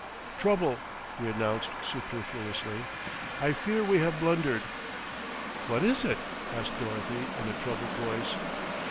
"Trouble," he announced superfluously. "I fear we have blundered." "What is it?" asked Dorothy in a troubled voice.